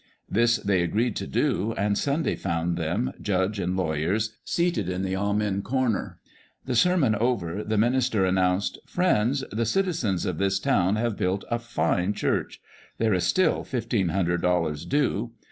This they agreed to do, and Sunday found them, judge and lawyers, seated in the " amen corner." The sermon over, the minister an nounced :" friends, the cit izens of this town have built a fine church. There is still fifteen hundred dollars due.